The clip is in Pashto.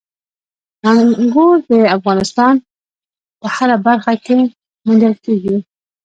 انګور د افغانستان په هره برخه کې موندل کېږي.